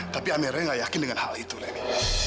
tapi amira nggak yakin dengan hal itu leni